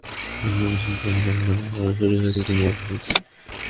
কক্সবাজারের প্যাঁচার দ্বীপ সৈকতে গতকাল বুধবার রাতে শুরু হয়েছে তিন দিনব্যাপী লালনসন্ধ্যা।